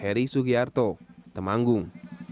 heri sugiarto temanggung